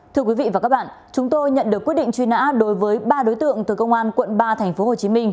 thưa quý vị và các bạn chúng tôi nhận được quyết định truy nã đối với ba đối tượng từ công an quận ba tp hcm